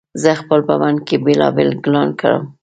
زه خپل په بڼ کې بېلابېل ګلان کرم